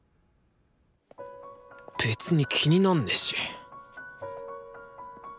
別に気になんねし！